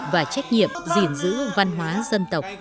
và trách nhiệm gìn giữ văn hóa dân tộc